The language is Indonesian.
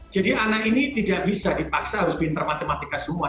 jadi anak ini tidak bisa dipaksa harus pinter matematika semua